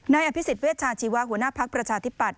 อภิษฎเวชาชีวะหัวหน้าภักดิ์ประชาธิปัตย